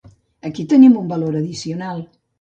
Aquí tenim un valor addicional.